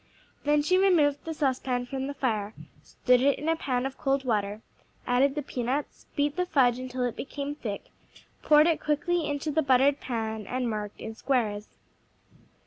Then she removed the saucepan from the fire, stood it in a pan of cold water, added the peanuts, beat the fudge until it became thick, poured it quickly into the buttered pan and marked in squares.